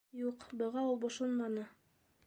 Юҡ, быға ул бошонманы.